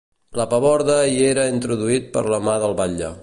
El paborde hi era introduït per la mà del batlle.